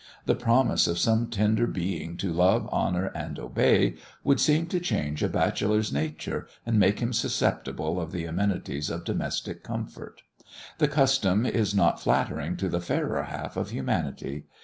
The promise of some tender being to "love, honour, and obey," would seem to change a bachelor's nature, and make him susceptible of the amenities of domestic comfort. The custom is not flattering to the fairer half of humanity.